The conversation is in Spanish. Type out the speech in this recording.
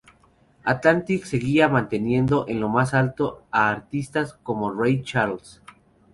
Atlantic seguía manteniendo en lo más alto a artistas como Ray Charles.